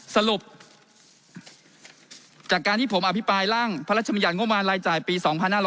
สรุปจากการที่ผมอภิปรายร่างพระราชมัญญัติงบประมาณรายจ่ายปี๒๕๕๙